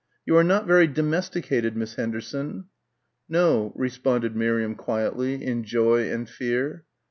"You are not very domesticated, Miss Henderson." "No," responded Miriam quietly, in joy and fear.